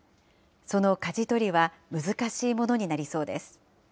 そのかじ取りは、難しいものになりそうです。